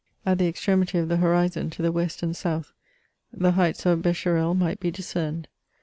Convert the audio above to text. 85 At the extremi^ of the horizon, to the west and south, the heights of B^erel might he discerned.